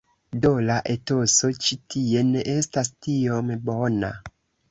Do, la etoso ĉi tie ne estas tiom bona